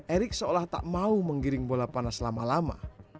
erick seolah tak mau menggiring bola panas lama lama